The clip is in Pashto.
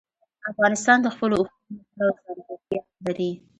افغانستان د خپلو اوښانو له پلوه ځانګړتیا لري.